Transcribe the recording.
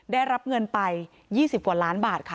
ได้รับเงินไป๒๐กว่าล้านบาทค่ะ